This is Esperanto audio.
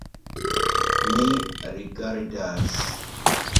Mi rigardas.